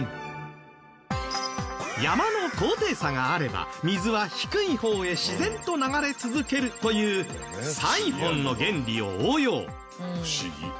山の高低差があれば水は低い方へ自然と流れ続けるというサイフォンの原理を応用。